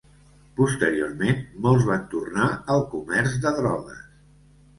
Posteriorment molts van tornar al comerç de drogues.